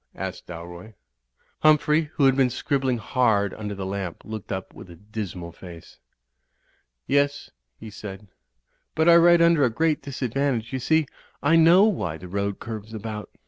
asked Dalroy. Humphrey, who had been scribbling hard under the lamp, looked up with a dismal face. "Yes," he said. "But I write under a great disad vantage. You see, I know why the road curves about."